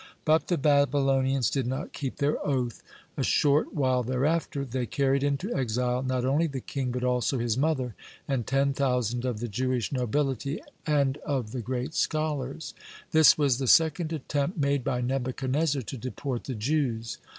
But the Babylonians did not keep their oath. A short while thereafter they carried into exile, not only the king, but also his mother, and ten thousand (131) of the Jewish nobility and of the great scholars. (132) This was the second attempt made by Nebuchadnezzar to deport the Jews.